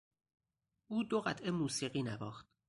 او دو قطعه موسیقی نواخت.